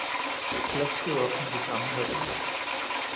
Flasket op med de samme værdier.